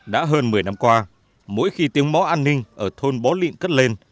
đã hơn một mươi năm qua mỗi khi tiếng mõ an ninh ở thôn bó liện cất lên